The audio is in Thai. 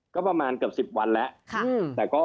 ก็ประมาณเกือบสิบวันแล้วค่ะ